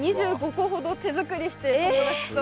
２５個ほど手作りして友達と。